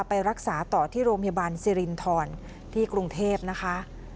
ไปรักษาต่อที่โรงพยาบาลสิรินทรที่กรุงเทพนะคะ